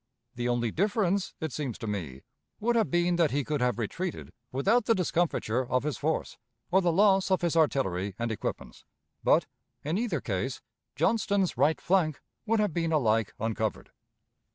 The only difference, it seems to me, would have been that he could have retreated without the discomfiture of his force or the loss of his artillery and equipments, but, in either case, Johnston's right flank would have been alike uncovered.